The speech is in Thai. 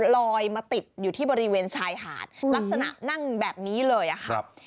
ลอยมาติดอยู่ที่บริเวณชายหาดลักษณะนั่งแบบนี้เลยอะค่ะ